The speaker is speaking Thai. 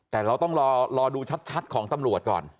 แต่เราต้องรอดูชัดของตำรวจก่อน